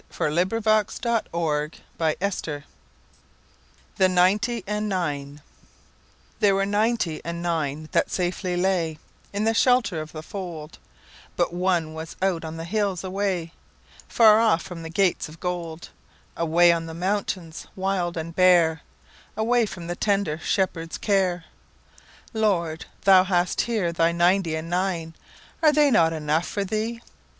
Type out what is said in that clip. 1895. Elizabeth Cecilia Clephane 1830–69 The Lost Sheep THERE were ninety and nine that safely layIn the shelter of the fold; But one was out on the hills away, Far off from the gates of gold, Away on the mountains wild and bare, Away from the tender Shepherd's care."Lord, thou hast here thy ninety and nine:Are they not enough for thee?"